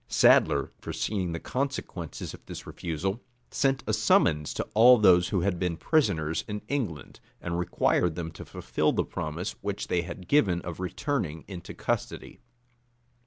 Sadler, foreseeing the consequence of this refusal, sent a summons to all those who had been prisoners in England, and required them to fulfil the promise which they had given of returning into custody.